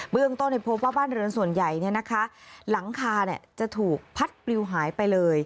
เรื่องต้นพบว่าบ้านเรือนส่วนใหญ่หลังคาจะถูกพัดปลิวหายไปเลย